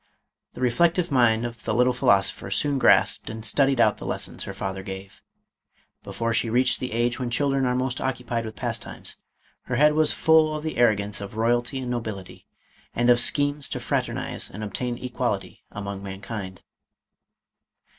The reflective mind of the little philosopher soon grasped and studied out the lessons her father gave. Before she reached the age when children are most occupied with pastimes, her head was full of the arrogance of royalty and nobility, and of schemes to fraternize and obtain equality among mankind.